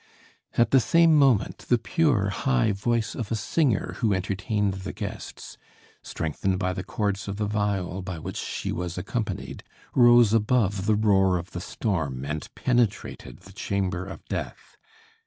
At the same moment the pure, high voice of a singer who entertained the guests, strengthened by the chords of the viol by which she was accompanied, rose above the roar of the storm and penetrated the chamber of death.